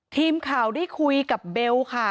ทีมข่าวได้คุยกับเบลค่ะ